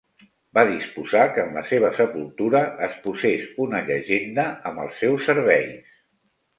Va disposar que en la seva sepultura es posés una llegenda amb els seus serveis.